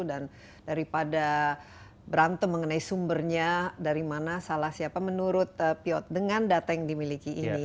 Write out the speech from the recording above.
dan daripada berantem mengenai sumbernya dari mana salah siapa menurut piot dengan data yang dimiliki ini